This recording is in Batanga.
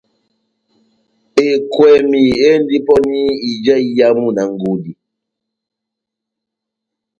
Ekwɛmi endi pɔni ija iyamu na ngudi